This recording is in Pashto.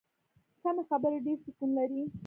کمې خبرې، ډېر سکون لري.